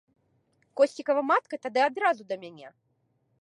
Косцікава матка тады адразу да мяне.